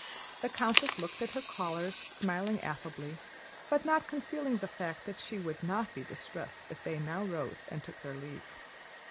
The countess looked at her callers, smiling affably, but not concealing the fact that she would not be distressed if they now rose and took their leave.